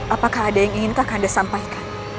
apakah ada yang ingin kakanda sampaikan